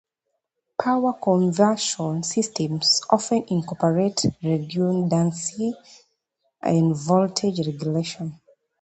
Power conversion systems often incorporate redundancy and voltage regulation.